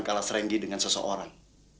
kalas renggi dengan seseorang